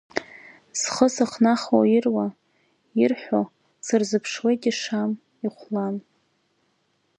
Схы сыхнахуа ируа, ирҳәо, сырзыԥшуеит ишам, ихәлам.